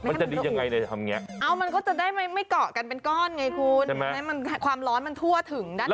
ไม่ต้องขนาดนี้ก็ได้ค่ะคุณ